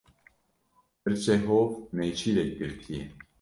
Hirçê hov nêçîrek girtiye.